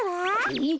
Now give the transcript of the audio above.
えっ？